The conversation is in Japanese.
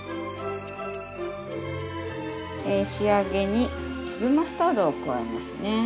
仕上げに粒マスタードを加えますね。